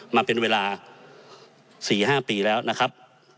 มาเป็นเวลา๔๕ปีแล้วนะครับ